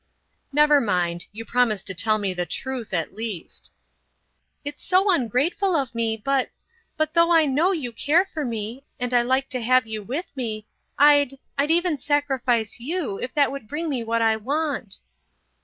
"Never mind. You promised to tell me the truth—at least." "It's so ungrateful of me, but—but, though I know you care for me, and I like to have you with me, I'd—I'd even sacrifice you, if that would bring me what I want."